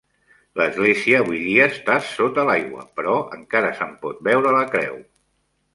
L'església avui dia està sota l'aigua, però encara se'n pot veure la creu.